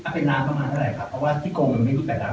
เป็นล้านประมาณเท่าไหร่ค่ะเพราะว่าที่โกงมันไม่มีแต่ล้าน